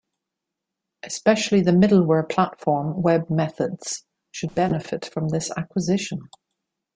Especially the middleware platform WebMethods should benefit from this acquisition.